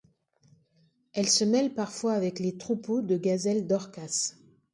Elle se mêle parfois avec les troupeaux de gazelle dorcas.